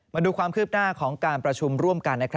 มาดูความคืบหน้าของการประชุมร่วมกัน